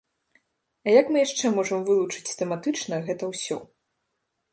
А як мы яшчэ можам вылучыць тэматычна гэта ўсё?